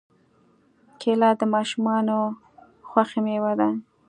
کېله د ماشومانو خوښې مېوه ده.